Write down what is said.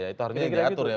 itu artinya diatur ya